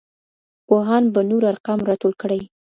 پوهان به نور ارقام راټول کړي.